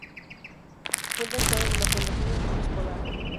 Funda en Coro de la Fundación Empresas Polar.